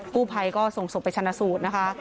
กู้ภัยก็ส่งศพไปชนะสูตรนะคะ